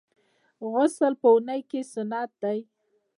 غسل په اونۍ کي سنت دی.